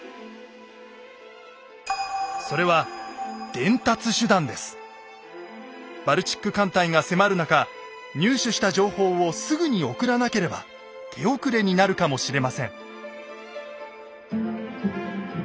それはバルチック艦隊が迫る中入手した情報をすぐに送らなければ手遅れになるかもしれません。